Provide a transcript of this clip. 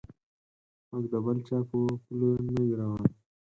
موږ د بل چا په پله نه یو روان.